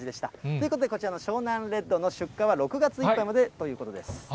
ということで、こちらの湘南レッドの出荷は６月いっぱいまでということです。